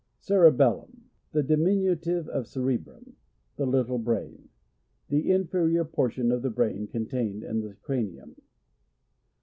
Cerebellum. — The diminutive of cer ebrum. The little brain. The in ferior portion of the brain contained in the cranium.